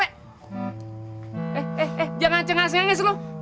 eh eh eh jangan aja ga senges lu